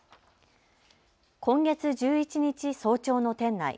今月１１日、早朝の店内。